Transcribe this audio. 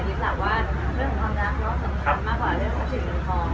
ยึดหลับว่าเรื่องของความรักแล้วสำคัญมากกว่าเรื่องความสนุกของ